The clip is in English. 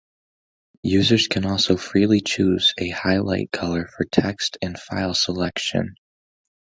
Users can also freely choose a highlight color for text and file selection.